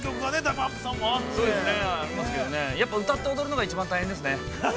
やっぱ歌って踊るのが一番大変ですね。